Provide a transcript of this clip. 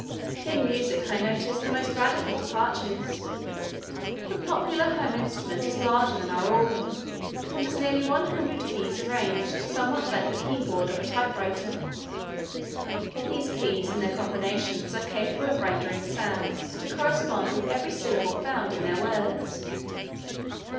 In music I noticed the most radical departures. The popular home instrument is larger than our organ and has nearly one hundred keys arranged somewhat like the keyboard of a typewriter. These keys and their combinations are capable of rendering sounds to correspond with every syllable found in their words.